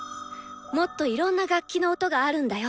もっといろんな楽器の音があるんだよ」